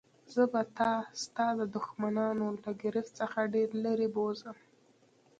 زه به تا ستا د دښمنانو له ګرفت څخه ډېر لیري بوزم.